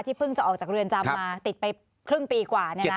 ที่เพิ่งจะออกจากเรือนจำมาติดไปครึ่งปีกว่าเนี่ยนะ